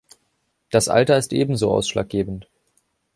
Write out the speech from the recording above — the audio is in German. Das Alter ist ebenso ausschlaggebend.